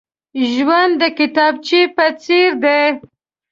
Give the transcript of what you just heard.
ژوند د کتابچې په څېر دی.